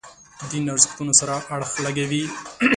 دین ارزښتونو سره اړخ لګوي.